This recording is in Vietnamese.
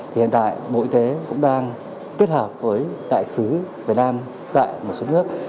thì hiện tại bộ y tế cũng đang kết hợp với đại sứ việt nam tại một số nước